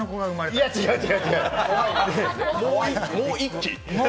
いや、違う、違う、違う。